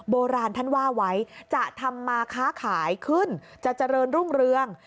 โบราณท่านว่าไว้จะทำมาค้าขายขึ้นจะเจริญรุ่งเรือง